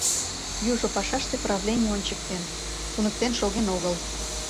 Южо пашаште правлений ончыктен, туныктен шоген огыл.